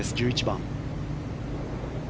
１１番。